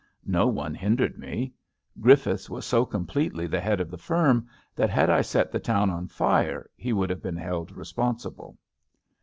No one hindered me. Grif fiths was so completely the head of the firm that had I set the town on fire he would have been held responsible.